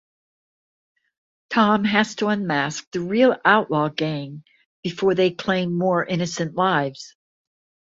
Tom has to unmask the real outlaw gang before they claim more innocent lives.